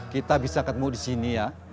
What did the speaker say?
kita bisa ketemu di sini ya